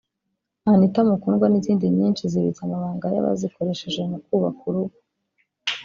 ‘Anita Mukundwa’ n’izindi nyinshi zibitse amabanga y'abazikoresheje mu kubuka urugo